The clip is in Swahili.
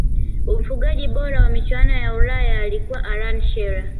mfungaji bora wa michuano ya Ulaya alikuwa allan shearer